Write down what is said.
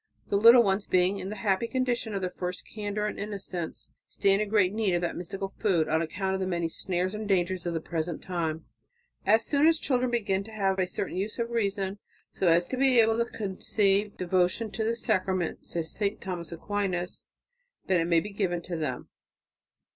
The little ones, being in the happy condition of their first candour and innocence, stand in great need of that mystical food, on account of the many snares and dangers of the present time." "As soon as children begin to have a certain use of reason, so as to be able to conceive devotion to this Sacrament," says St. Thomas Aquinas, "then may it be given to them."